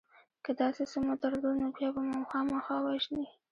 که داسې څه مو درلودل نو بیا به مو خامخا وژني